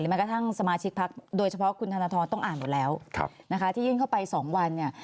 แม้กระทั่งสมาชิกพักโดยเฉพาะคุณธนทรต้องอ่านหมดแล้วนะคะที่ยื่นเข้าไป๒วันเนี่ย